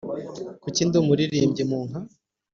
kuki ndi umuririmbyi mu nka